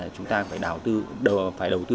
chúng ta phải đầu tư